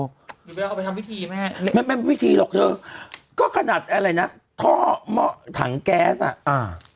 นี่แบบเอาไปทำวิธีแม่ไม่ไม่วิธีหรอกเธอก็ขนาดอะไรน่ะท่อเมาะถังแก๊สอ่ะอ่า